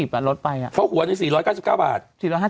เพราะหัวนี้จะ๔๙๑บาท